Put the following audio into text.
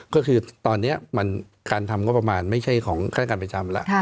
ก็คือตอนนี้การทำงบประมาณไม่ใช่ของฆาตการประจำแล้ว